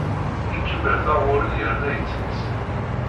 Ikemmel taɣuri yerna ittett.